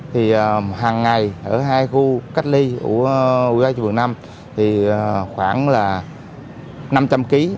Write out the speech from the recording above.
thì hàng ngày ở hai khu cách ly của ubnd thì khoảng là năm trăm linh ký